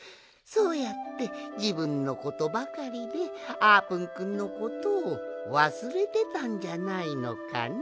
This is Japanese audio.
そうやってじぶんのことばかりであーぷんくんのことをわすれてたんじゃないのかのう？